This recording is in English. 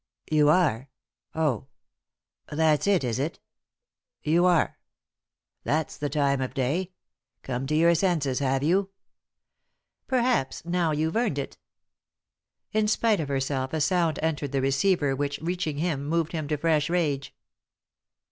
" You are ?— oh I — that's it, is it ?— you are 1— that's the time of day 1 Come to your senses, have you ?" "Perhaps, now, you've earned it." In spite of herself a sound entered the receiver which, reaching him, moved him to fresh rage.